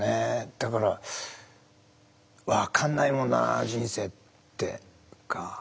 だから分かんないもんだな人生っていうか。